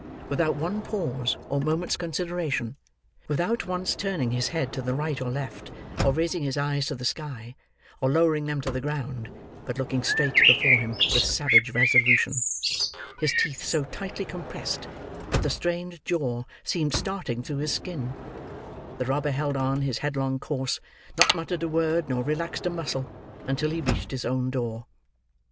Without one pause, or moment's consideration; without once turning his head to the right or left, or raising his eyes to the sky, or lowering them to the ground, but looking straight before him with savage resolution: his teeth so tightly compressed that the strained jaw seemed starting through his skin; the robber held on his headlong course, nor muttered a word, nor relaxed a muscle, until he reached his own door.